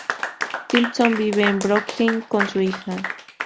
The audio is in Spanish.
Simpson vive en Brooklyn con su hija.